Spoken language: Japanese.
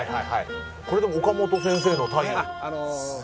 これでも岡本先生の太陽。